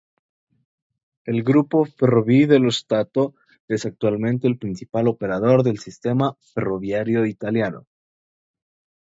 El Grupo Ferrovie dello Stato es actualmente el principal operador del sistema ferroviario italiano.